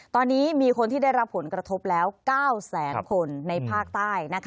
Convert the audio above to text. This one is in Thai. ตอนนี้มีคนที่ได้รับผลกระทบแล้ว๙แสนคนในภาคใต้